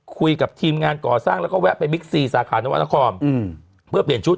คุยกับทีมงานก่อสร้างแล้วก็แวะไปบิ๊กซีสาขานวรรณครเพื่อเปลี่ยนชุด